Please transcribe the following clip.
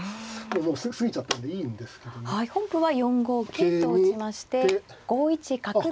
はい本譜は４五桂と打ちまして５一角と。